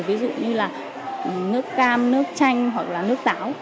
ví dụ như là nước cam nước chanh hoặc là nước ráo